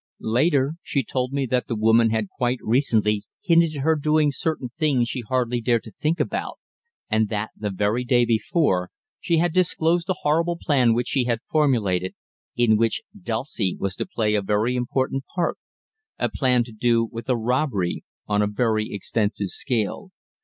Later she told me that the woman had quite recently hinted at her doing certain things she hardly dared to think about, and that, the very day before, she had disclosed a horrible plan which she had formulated, in which Dulcie was to play a very important part a plan to do with a robbery on a very extensive scale.